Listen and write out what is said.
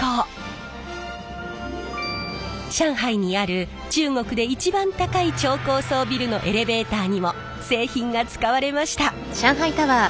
上海にある中国で一番高い超高層ビルのエレベーターにも製品が使われました。